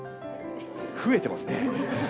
増えてますね。